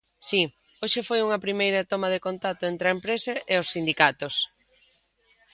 Si, hoxe foi unha primeira toma de contacto entre a empresa e os sindicatos.